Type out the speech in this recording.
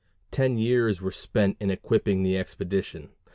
Ten years were spent in equipping the expedition.